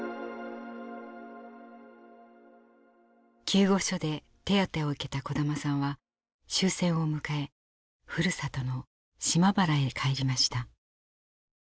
救護所で手当てを受けた小玉さんは終戦を迎えふるさとの島原へ帰りました。